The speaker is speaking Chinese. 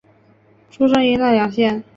出身于奈良县。